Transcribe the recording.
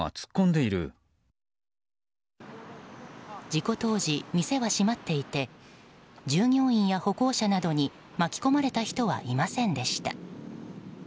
事故当時、店は閉まっていて従業員や歩行者などに巻き込まれた人はいませんでした。